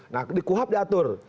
nah di kuhab diatur